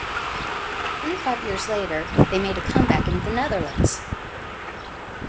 Twenty-five years later, they made a come-back in the Netherlands.